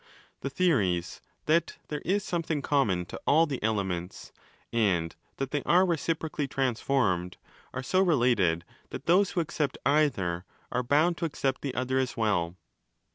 'The theories that 'thexe is something common to all the "elements" ', and that 'they are reciprocally transformed ', are so related that those who accept ez/her are bound to accept che other as well.